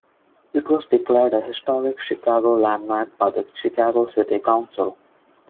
It was declared a historic Chicago Landmark by the Chicago City Council.